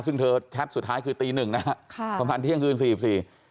ซึ่งเธอแคปสุดท้ายคือตีหนึ่งนะครับประมาณเที่ยงคืน๔๒๔น